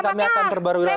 kami akan terbarui lagi